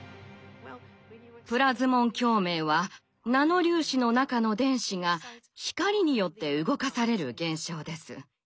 プラズモン共鳴はナノ粒子の中の電子が光によって動かされる現象です。